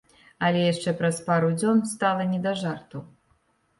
Але яшчэ праз пару дзён стала не да жартаў.